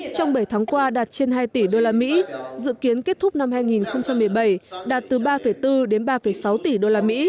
trong bảy tháng qua đạt trên hai tỷ usd dự kiến kết thúc năm hai nghìn một mươi bảy đạt từ ba bốn đến ba sáu tỷ usd